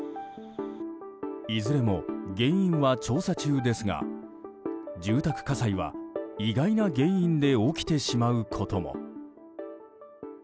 いずれも原因は調査中ですが住宅火災は意外な原因で起きてしまうことも。